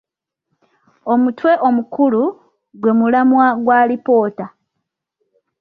Omutwe omukulu, gwe mulamwa gw'alipoota.